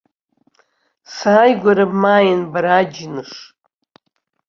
Сааигәара бмааин, бара аџьныш!